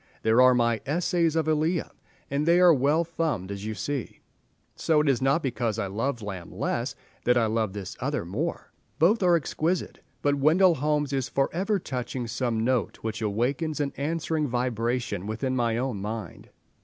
There are my "Essays of Elia," and they are well thumbed as you see, so it is not because I love Lamb less that I love this other more. Both are exquisite, but Wendell Holmes is for ever touching some note which awakens an answering vibration within my own mind.